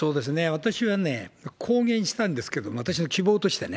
私は公言したんですけれども、私の希望としてね。